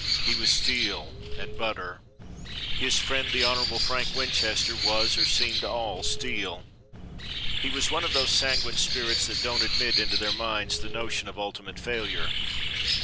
He was steel and butter. His friend, the honorable Frank Winchester, was or seemed all steel. He was one of those sanguine spirits that don't admit into their minds the notion of ultimate failure.